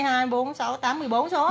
hai bốn số tám mươi bốn số hả